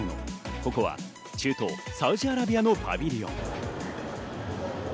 ここは中東サウジアラビアのパビリオン。